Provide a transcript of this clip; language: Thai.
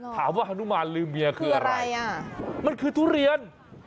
ถามว่าฮนุมานลืมเมียคืออะไรมันคือทุเรียน